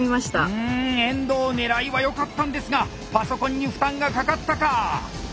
うん遠藤狙いはよかったんですがパソコンに負担がかかったか！